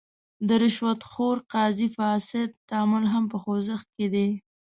د رشوت خور قاضي فاسد تعامل هم په خوځښت کې دی.